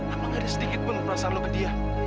aku gak ada sedikit pun perasaan lo ke dia